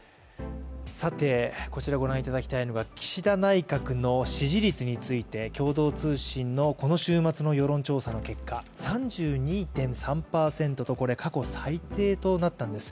こちらご覧いただきたいのが岸田内閣の支持率について共同通信のこの週末の世論調査の結果、３２．３％と過去最低となったんです。